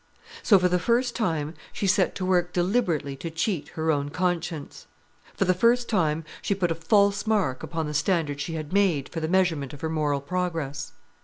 So for the first time she set to work deliberately to cheat her own conscience. For the first time she put a false mark upon the standard she had made for the measurement of her moral progress.